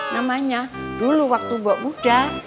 namanya dulu waktu mbok muda